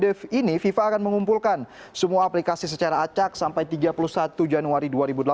dan pada periode ini fifa akan mengumpulkan semua aplikasi secara acak sampai tiga puluh satu januari dua ribu delapan belas